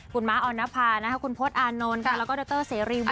คุณม้าออนภาคุณพศอานนท์แล้วก็ดรเสรีวัน